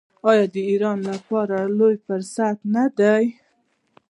آیا دا د ایران لپاره لوی فرصت نه دی؟